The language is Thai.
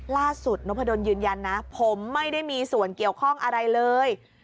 นพดลยืนยันนะผมไม่ได้มีส่วนเกี่ยวข้องอะไรเลย